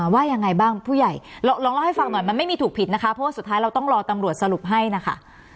ว่ายังไงบ้างผู้ใหญ่ลองเล่าให้ฟังหน่อยมันไม่มีถูกผิดนะคะเพราะว่าสุดท้ายเราต้องรอตำรวจสรุปให้นะคะ